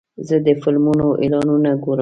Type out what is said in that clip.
زه د فلمونو اعلانونه ګورم.